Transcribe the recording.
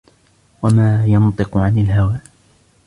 وَمَا يَنْطِقُ عَنِ الْهَوَى